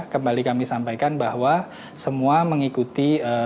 kembali kami sampaikan bahwa semua mengikuti